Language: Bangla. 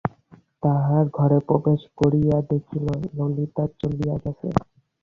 তাঁহার ঘরে প্রবেশ করিয়া দেখিল ললিতা চলিয়া গেছে।